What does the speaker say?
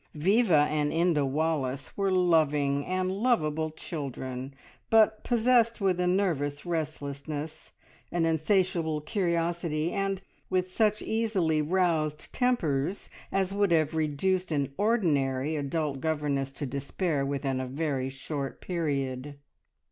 Viva and Inda Wallace were loving and lovable children, but possessed with a nervous restlessness, an insatiable curiosity, and with such easily roused tempers as would have reduced an ordinary adult governess to despair within a very short period.